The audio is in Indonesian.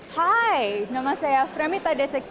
hai nama saya fremita deseksia